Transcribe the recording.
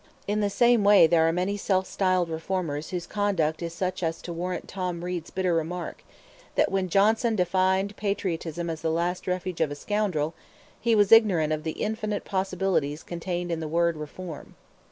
In the same way there are many self styled reformers whose conduct is such as to warrant Tom Reed's bitter remark, that when Dr. Johnson defined patriotism as the last refuge of a scoundrel he was ignorant of the infinite possibilities contained in the word reform.